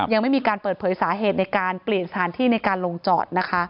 ยังไม่มีการเปิดเผยสาเหตุในการเปลี่ยนสถานที่ในการลงจอดนะคะ